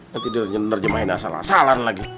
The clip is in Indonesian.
nanti dia ngerjemahin asal asalan lagi